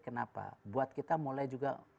kenapa buat kita mulai juga